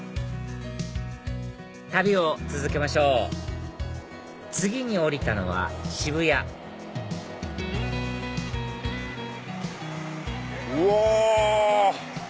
旅を続けましょう次に降りたのは渋谷うわ！